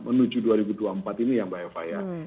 menuju dua ribu dua puluh empat ini ya mbak eva ya